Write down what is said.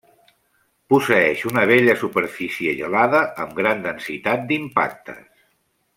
Posseïx una vella superfície gelada amb gran densitat d'impactes.